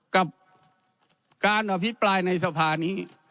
กับการอภิปรายในสภานี้